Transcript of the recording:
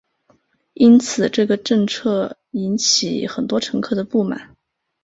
因此这个政策引致很多乘客的不满。